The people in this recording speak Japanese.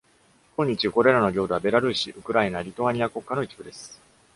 今日、これらの領土はベラルーシ、ウクライナ、リトアニア国家の一部です。